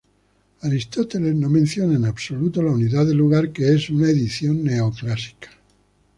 Aristóteles no menciona en absoluto la unidad de lugar, que es una adición neoclásica.